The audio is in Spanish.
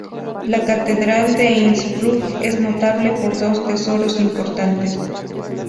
La Catedral de Innsbruck es notable por dos tesoros importantes.